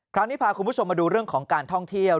คราวนี้พาคุณผู้ชมมาดูเรื่องของการท่องเที่ยว